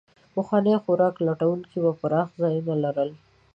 پخواني خوراک لټونکي به پراخه ځایونه لرل.